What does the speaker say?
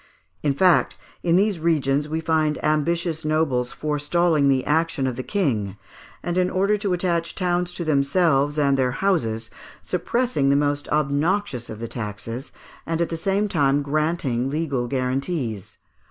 In fact, in these regions we find ambitious nobles forestalling the action of the King, and in order to attach towns to themselves and their houses, suppressing the most obnoxious of the taxes, and at the same time granting legal guarantees.